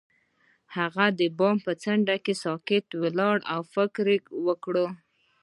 هغه د بام پر څنډه ساکت ولاړ او فکر وکړ.